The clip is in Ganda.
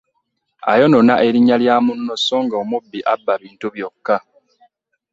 Ayonoona erinnya lya munno so nga omubbi abba bintu byokka .